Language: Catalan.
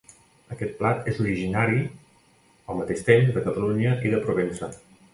Aquest plat és originari, al mateix temps, de Catalunya i de Provença.